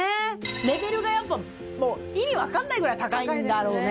レベルがやっぱもう意味わかんないぐらい高いんだろうね。